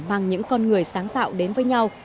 mang những con người sáng tạo đến với nhau